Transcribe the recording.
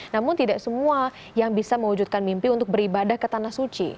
namun tidak semua yang bisa mewujudkan mimpi untuk beribadah ke tanah suci